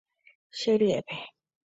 Che ryépe.